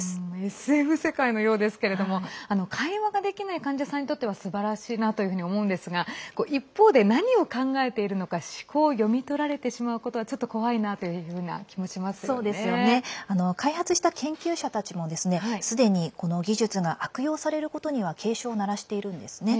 ＳＦ世界のようですけども会話ができない患者さんにとってはすばらしいなというふうに思うんですが一方で何を考えているのか思考が読み取られてしまうことは開発した研究者たちもすでに技術が悪用されることに警鐘を鳴らしているんですね。